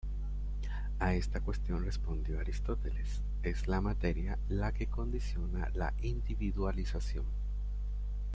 A esta cuestión respondió Aristóteles: es la materia la que condiciona la individuación.